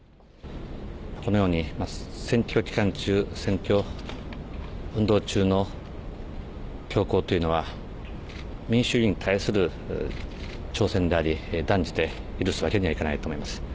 このように選挙期間中、選挙運動中の凶行というのは、民主主義に対する挑戦であり、断じて許すわけにはいかないと思います。